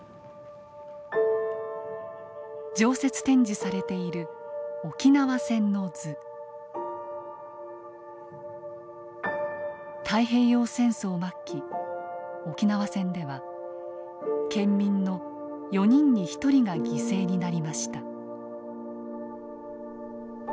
常設展示されている太平洋戦争末期沖縄戦では県民の４人に１人が犠牲になりました。